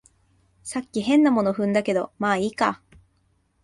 さっき変なもの踏んだけど、まあいいか